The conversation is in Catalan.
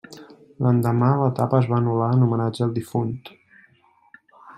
L'endemà l'etapa es va anul·lar en homenatge al difunt.